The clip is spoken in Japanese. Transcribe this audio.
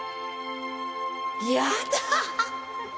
やだ。